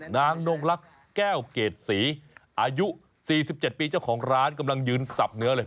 นางนงลักษณ์แก้วเกรดศรีอายุ๔๗ปีเจ้าของร้านกำลังยืนสับเนื้อเลย